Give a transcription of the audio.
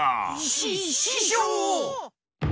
しししょう！